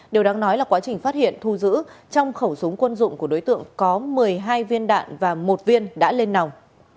điều đáng nói là quá trình phát hiện thu giữ trong khẩu súng quân dụng của đối tượng có một mươi hai viên đạn và một viên đã lên nòng